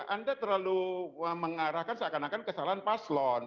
anda terlalu mengarahkan seakan akan kesalahan paslon